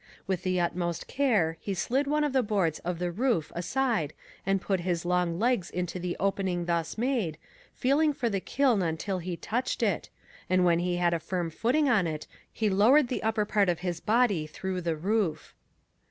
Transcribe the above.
With the utmost care he slid one of the boards of the roof aside and put his long legs into the opening thus made, feeling for the kiln until he touched it, and when he had a firm footing on it he lowered the upper part of his body through the roof.